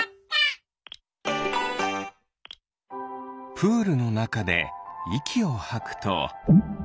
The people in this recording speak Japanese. プールのなかでいきをはくと？